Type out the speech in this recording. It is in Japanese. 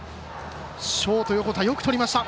ショート、横田よくとりました。